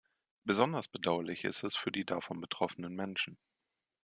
Besonders bedauerlich ist es für die davon betroffenen Menschen.